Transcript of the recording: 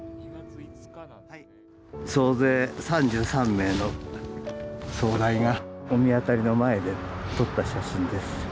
総勢３３名の総代が御神渡りの前で撮った写真です。